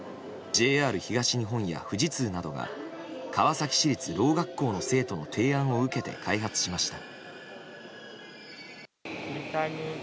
ＪＲ東日本や富士通などが川崎市立聾学校などの生徒の提案を受けて開発しました。